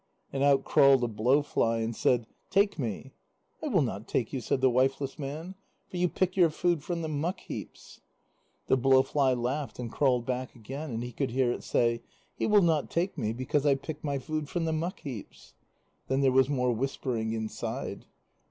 And out crawled a blowfly, and said: "Take me." "I will not take you," said the wifeless man, "for you pick your food from the muck heaps." The blowfly laughed and crawled back again, and he could hear it say: "He will not take me, because I pick my food from the muck heaps." Then there was more whispering inside.